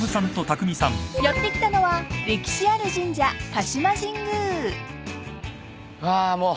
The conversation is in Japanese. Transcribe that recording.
［やって来たのは歴史ある神社］わもう。